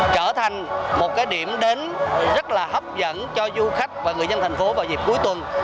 trở thành một điểm đến rất hấp dẫn cho du khách và người dân tp vào dịp cuối tuần